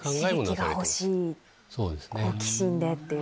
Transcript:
刺激が欲しい好奇心でっていう。